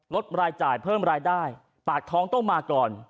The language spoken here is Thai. ลดรายจ่ายเพิ่มรายได้ปากท้องต้องมาก่อน